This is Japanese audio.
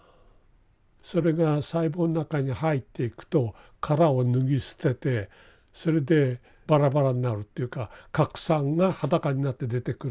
それが細胞の中に入っていくと殻を脱ぎ捨ててそれでバラバラになるっていうか核酸が裸になって出てくる。